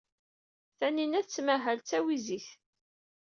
Taninna tettmahal d tawizit.